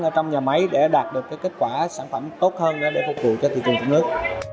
ở trong nhà máy để đạt được kết quả sản phẩm tốt hơn để phục vụ cho thị trường trong nước